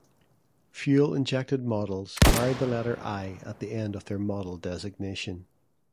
Fuel-injected models carry the letter "i" at the end of their model designation.